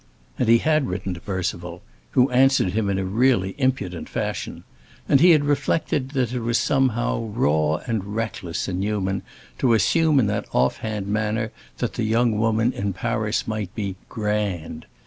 And he had written to Percival (who answered him in a really impudent fashion), and he had reflected that it was somehow, raw and reckless in Newman to assume in that off hand manner that the young woman in Paris might be "grand."